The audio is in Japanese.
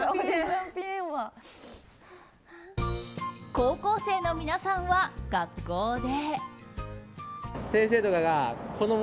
高校生の皆さんは学校で。